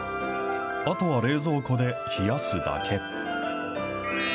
あとは冷蔵庫で冷やすだけ。